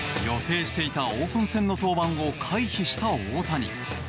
予定していたオープン戦の登板を回避した大谷。